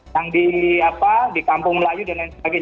yang di kampung melayu dan lain sebagainya